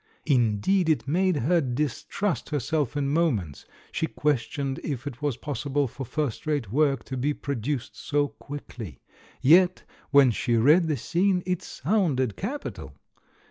Indeed, it made her distrust herself in moments; she questioned if it was possible for first rate work to be pro duced so quickly. Yet when she read the scene, it sounded capital.